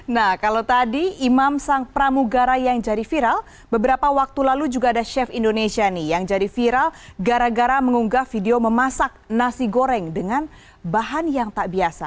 nah kalau tadi imam sang pramugara yang jadi viral beberapa waktu lalu juga ada chef indonesia nih yang jadi viral gara gara mengunggah video memasak nasi goreng dengan bahan yang tak biasa